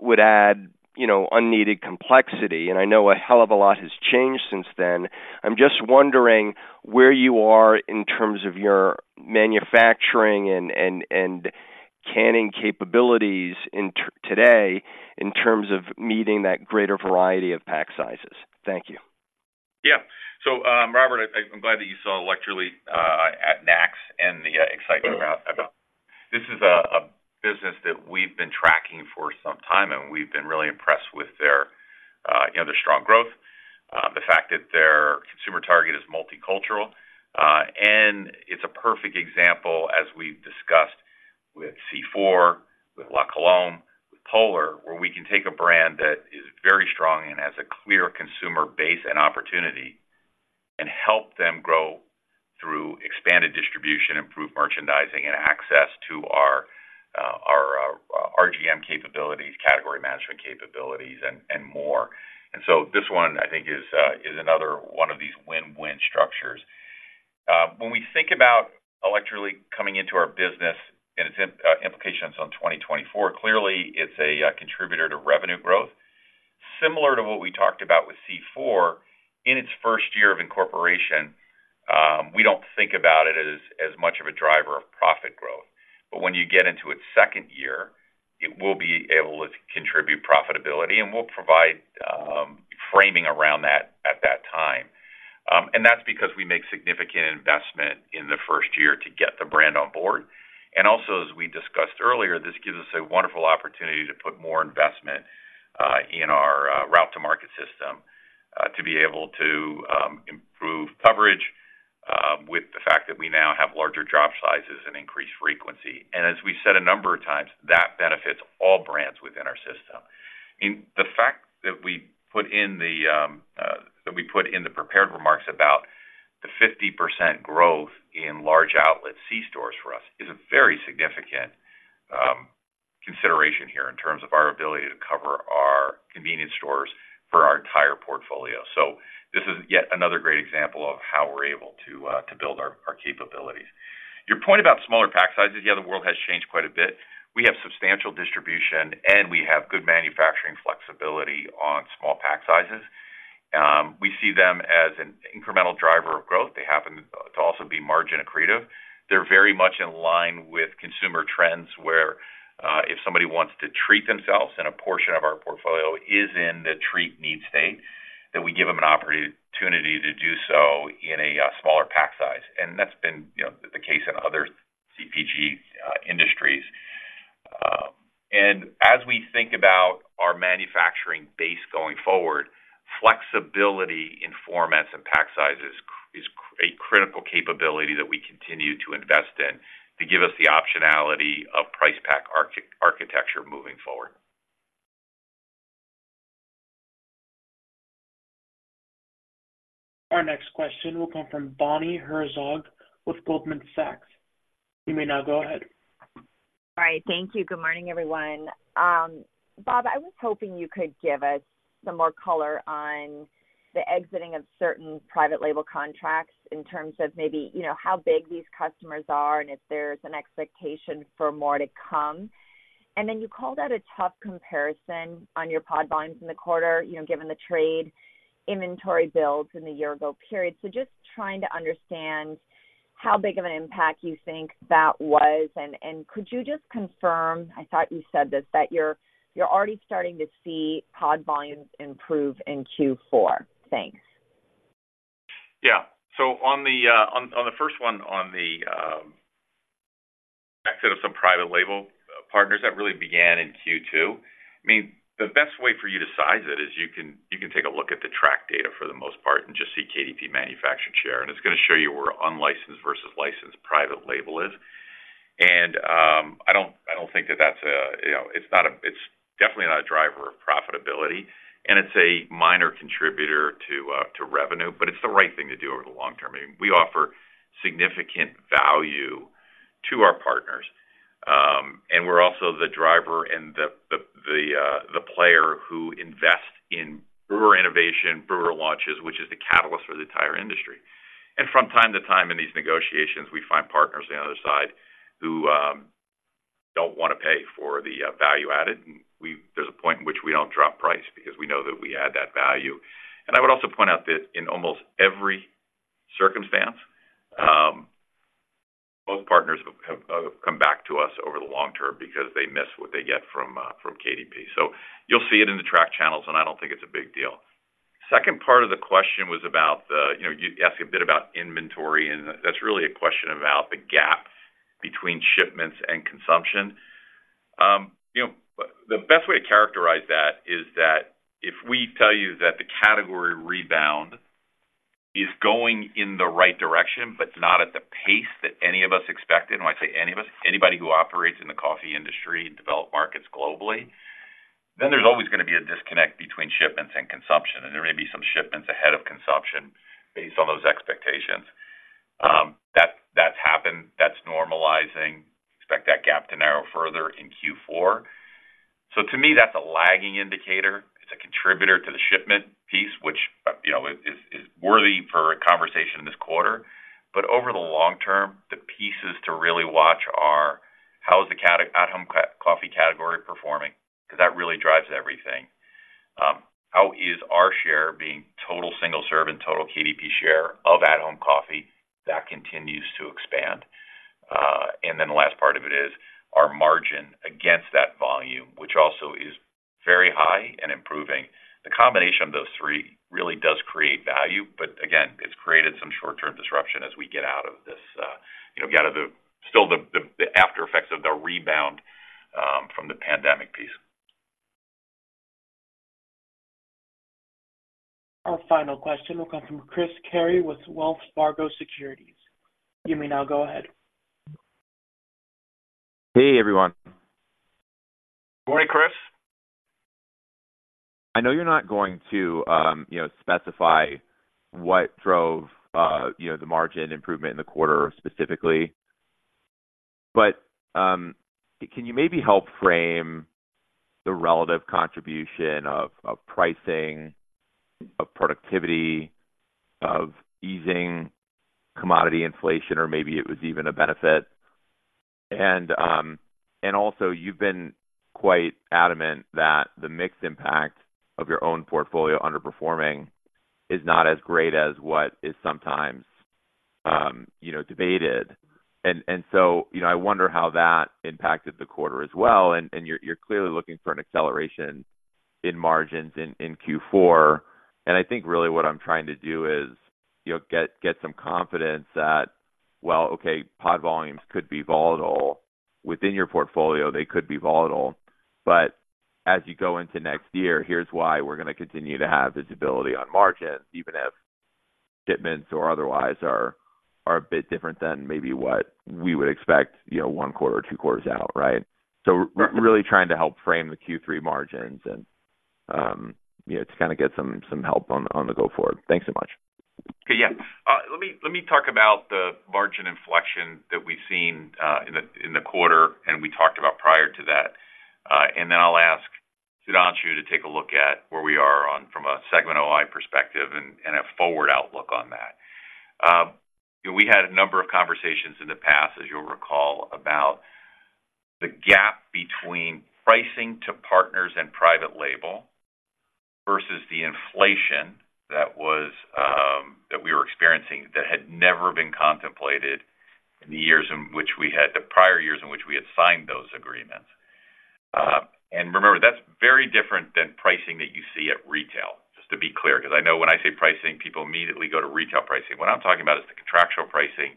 would add, you know, unneeded complexity. And I know a hell of a lot has changed since then. I'm just wondering where you are in terms of your manufacturing and canning capabilities today, in terms of meeting that greater variety of pack sizes. Thank you. Yeah. So, Robert, I'm glad that you saw Electrolit at NACS and the excitement about it. This is a business that we've been tracking for some time, and we've been really impressed with their, you know, their strong growth, the fact that their consumer target is multicultural, and it's a perfect example, as we've discussed with C4, with La Colombe, with Polar, where we can take a brand that is very strong and has a clear consumer base and opportunity, and help them grow through expanded distribution, improved merchandising, and access to our, our RGM capabilities, category management capabilities, and more. And so this one, I think, is another one of these win-win structures. When we think about Electrolit coming into our business and its implications on 2024, clearly it's a contributor to revenue growth. Similar to what we talked about with C4, in its first year of incorporation, we don't think about it as much of a driver of profit growth. But when you get into its second year, it will be able to contribute profitability, and we'll provide framing around that at that time. And that's because we make significant investment in the first year to get the brand on board, and also, as we discussed earlier, this gives us a wonderful opportunity to put more investment in our route to market system to be able to improve coverage with the fact that we now have larger drop sizes and increased frequency. As we've said a number of times, that benefits all brands within our system. I mean, the fact that we put in the prepared remarks about the 50% growth in large outlet c-stores for us is a very significant consideration here in terms of our ability to cover our convenience stores for our entire portfolio. This is yet another great example of how we're able to to build our capabilities. Your point about smaller pack sizes, yeah, the world has changed quite a bit. We have substantial distribution, and we have good manufacturing flexibility on small pack sizes. We see them as an incremental driver of growth. They happen to also be margin accretive. They're very much in line with consumer trends, where if somebody wants to treat themselves, and a portion of our portfolio is in the treat need state, that we give them an opportunity to do so in a smaller pack size, and that's been, you know, the case in other CPG industries. And as we think about our manufacturing base going forward, flexibility in formats and pack sizes is a critical capability that we continue to invest in to give us the optionality of price-pack architecture moving forward. Our next question will come from Bonnie Herzog with Goldman Sachs. You may now go ahead. All right, thank you. Good morning, everyone. Bob, I was hoping you could give us some more color on the exiting of certain private label contracts in terms of maybe, you know, how big these customers are and if there's an expectation for more to come. And then you called out a tough comparison on your pod volumes in the quarter, you know, given the trade inventory builds in the year ago period. So just trying to understand how big of an impact you think that was. And could you just confirm, I thought you said this, that you're already starting to see pod volumes improve in Q4? Thanks. Yeah. So on the first one, the exit of some private label partners, that really began in Q2. I mean, the best way for you to size it is you can take a look at the tracked data for the most part and just see KDP manufactured share, and it's gonna show you where unlicensed versus licensed private label is—and, I don't think that that's a, you know, it's not a—it's definitely not a driver of profitability, and it's a minor contributor to revenue, but it's the right thing to do over the long term. I mean, we offer significant value to our partners, and we're also the driver and the player who invest in brewer innovation, brewer launches, which is the catalyst for the entire industry. And from time to time in these negotiations, we find partners on the other side who don't want to pay for the value added. And there's a point in which we don't drop price because we know that we add that value. And I would also point out that in almost every circumstance, most partners have come back to us over the long term because they miss what they get from KDP. So you'll see it in the tracked channels, and I don't think it's a big deal. Second part of the question was about the, you know, you asked a bit about inventory, and that's really a question about the gap between shipments and consumption. You know, the best way to characterize that is that if we tell you that the category rebound is going in the right direction, but not at the pace that any of us expected. When I say any of us, anybody who operates in the coffee industry and developed markets globally, then there's always going to be a disconnect between shipments and consumption, and there may be some shipments ahead of consumption based on those expectations. That's happened. That's normalizing. Expect that gap to narrow further in Q4. So to me, that's a lagging indicator. It's a contributor to the shipment piece, which, you know, is worthy for a conversation this quarter. But over the long term, the pieces to really watch are: how is the at-home coffee category performing? Because that really drives everything. How is our share being total single-serve and total KDP share of at-home coffee? That continues to expand. And then the last part of it is our margin against that volume, which also is very high and improving. The combination of those three really does create value, but again, it's created some short-term disruption as we get out of this still the after effects of the rebound from the pandemic piece. Our final question will come from Chris Carey with Wells Fargo Securities. You may now go ahead. Hey, everyone. Good morning, Chris. I know you're not going to, you know, specify what drove, you know, the margin improvement in the quarter specifically, but, can you maybe help frame the relative contribution of, of pricing, of productivity, of easing commodity inflation, or maybe it was even a benefit? And also, you've been quite adamant that the mix impact of your own portfolio underperforming is not as great as what is sometimes, you know, debated. And so, you know, I wonder how that impacted the quarter as well, and you're clearly looking for an acceleration in margins in Q4. And I think really what I'm trying to do is, you know, get some confidence that well, okay, pod volumes could be volatile. Within your portfolio, they could be volatile, but as you go into next year, here's why we're going to continue to have visibility on margins, even if shipments or otherwise are a bit different than maybe what we would expect, you know, one quarter or two quarters out, right? So really trying to help frame the Q3 margins and, you know, to kind of get some help on the go-forward. Thanks so much. Okay. Yeah. Let me talk about the margin inflection that we've seen in the quarter, and we talked about prior to that. And then I'll ask Sudhanshu to take a look at where we are on from a segment OI perspective and a forward outlook on that. We had a number of conversations in the past, as you'll recall, about the gap between pricing to partners and private label versus the inflation that was that we were experiencing that had never been contemplated in the years in which we had the prior years in which we had signed those agreements. And remember, that's very different than pricing that you see at retail, just to be clear, because I know when I say pricing, people immediately go to retail pricing. What I'm talking about is the contractual pricing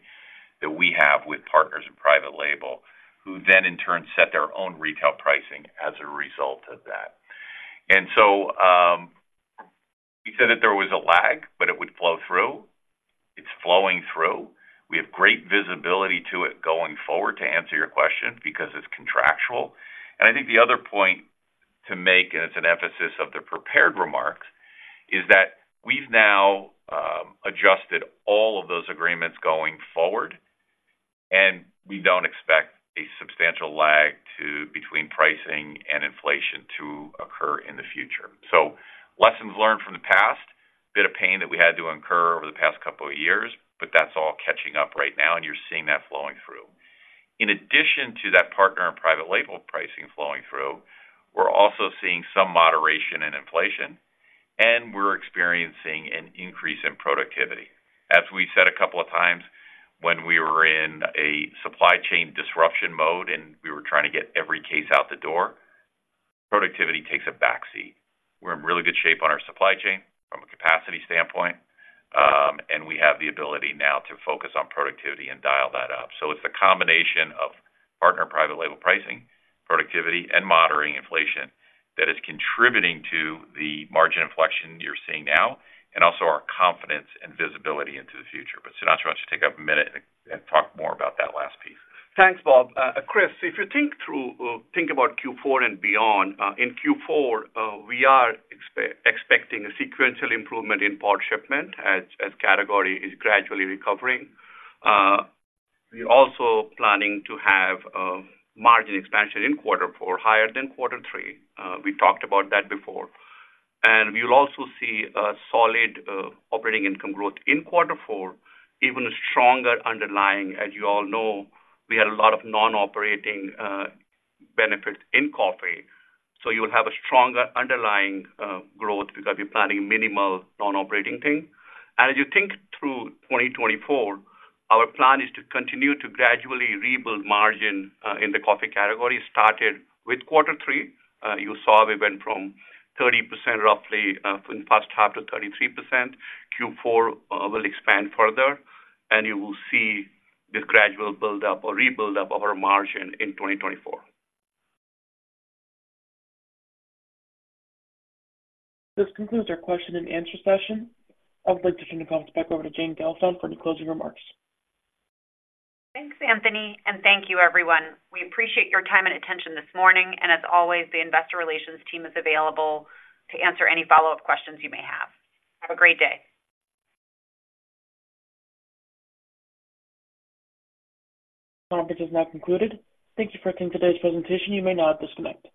that we have with partners in private label, who then, in turn, set their own retail pricing as a result of that. And so, we said that there was a lag, but it would flow through. It's flowing through. We have great visibility to it going forward, to answer your question, because it's contractual. And I think the other point to make, and it's an emphasis of the prepared remarks, is that we've now adjusted all of those agreements going forward, and we don't expect a substantial lag between pricing and inflation to occur in the future. So lessons learned from the past, bit of pain that we had to incur over the past couple of years, but that's all catching up right now, and you're seeing that flowing through. In addition to that, partner and private label pricing flowing through, we're also seeing some moderation in inflation, and we're experiencing an increase in productivity. As we said a couple of times, when we were in a supply chain disruption mode and we were trying to get every case out the door, productivity takes a backseat. We're in really good shape on our supply chain from a capacity standpoint, and we have the ability now to focus on productivity and dial that up. So it's the combination of partner and private label pricing, productivity, and monitoring inflation that is contributing to the margin inflection you're seeing now, and also our confidence and visibility into the future. But Sudhanshu, why don't you take a minute and talk more about that last piece. Thanks, Bob. Chris, if you think about Q4 and beyond, in Q4, we are expecting a sequential improvement in pod shipment as the category is gradually recovering. We're also planning to have margin expansion in quarter four, higher than quarter three. We talked about that before. And we will also see a solid operating income growth in quarter four, even stronger underlying. As you all know, we had a lot of non-operating benefits in coffee, so you will have a stronger underlying growth because we're planning minimal non-operating thing. And as you think through 2024, our plan is to continue to gradually rebuild margin in the coffee category, started with quarter three. You saw we went from 30%, roughly, in the first half to 33%. Q4 will expand further, and you will see this gradual build-up or rebuild-up of our margin in 2024. This concludes our question and answer session. I would like to turn the call back over to Jane Gelfand for any closing remarks. Thanks, Anthony, and thank you, everyone. We appreciate your time and attention this morning, and as always, the investor relations team is available to answer any follow-up questions you may have. Have a great day. Conference is now concluded. Thank you for attending today's presentation. You may now disconnect.